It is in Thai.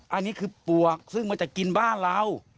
อันนี้คือปวกซึ่งมันจะกินบ้านเรา